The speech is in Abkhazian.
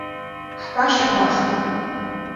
Ҳтәашьа башоуп.